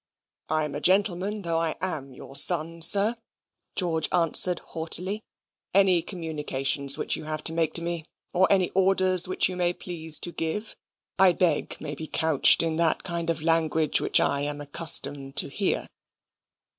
"I'm a gentleman though I AM your son, sir," George answered haughtily. "Any communications which you have to make to me, or any orders which you may please to give, I beg may be couched in that kind of language which I am accustomed to hear."